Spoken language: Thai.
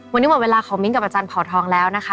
วันนี้หมดเวลาของมิ้นกับอาจารย์เผาทองแล้วนะคะ